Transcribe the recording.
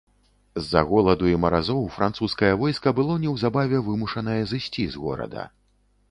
З-за голаду і маразоў французскае войска было неўзабаве вымушанае зысці з горада.